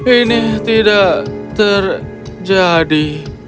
ini tidak terjadi